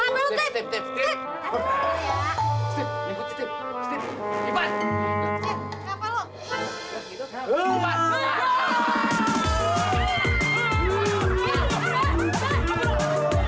buat buang pindah namanya obat